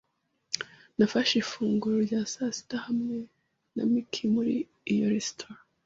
Nafashe ifunguro rya sasita hamwe na Mike muri iyo resitora.